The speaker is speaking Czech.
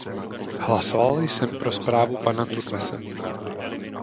Hlasoval jsem pro zprávu pana Turmese.